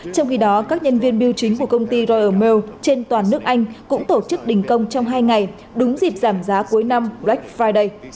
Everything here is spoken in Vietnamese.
trong khi đó các nhân viên biêu chính của công ty royer meal trên toàn nước anh cũng tổ chức đình công trong hai ngày đúng dịp giảm giá cuối năm black friday